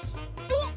おっ！